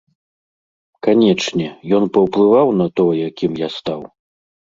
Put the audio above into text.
Канечне, ён паўплываў на тое, кім я стаў.